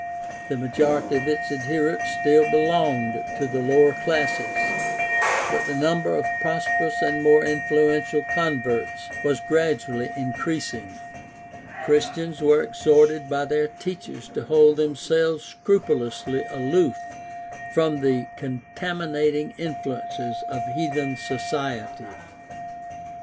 The majority of its adherents still belonged to the lower classes, but the number of prosperous and more influential converts was gradually increasing. THE STUDY OF EARLY CHRISTIANITY 299 Christians were exhorted by their teachers to hold them selves scrupulously aloof from the contaminating influences of heathen society.